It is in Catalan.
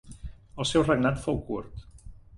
El seu regnat fou curt.